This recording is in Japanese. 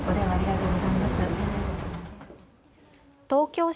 東京